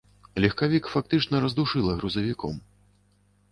Легкавік фактычна раздушыла грузавіком.